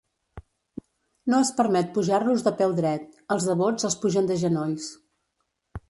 No es permet pujar-los de peu dret: els devots els pugen de genolls.